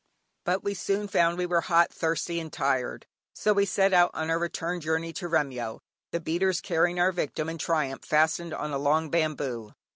But we soon found we were hot, thirsty, and tired, so we set out on our return journey to Remyo, the beaters carrying our victim in triumph fastened on a long bamboo.